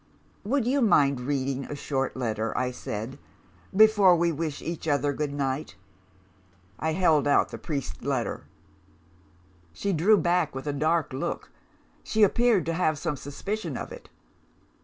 "'Would you mind reading a short letter,' I said, 'before we wish each other goodnight?' I held out the priest's letter. "She drew back with a dark look; she appeared to have some suspicion of it.